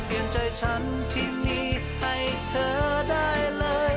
เปลี่ยนใจฉันที่มีให้เธอได้เลย